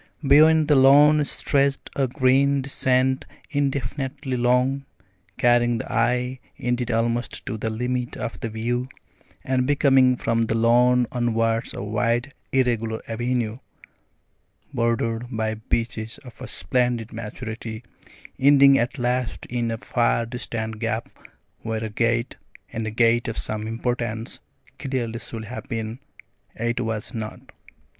Beyond the lawn stretched a green descent indefinitely long, carrying the eye indeed almost to the limit of the view, and becoming from the lawn onwards a wide irregular avenue, bordered by beeches of a splendid maturity, ending at last in a far distant gap where a gate and a gate of some importance clearly should have been, yet was not.